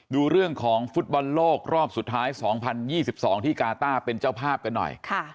ดูเรื่องของฟุตบอลโลกรอบสุดท้าย๒๐๒๒ที่กาต้าเป็นเจ้าภาพกันหน่อย